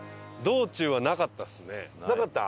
なかった？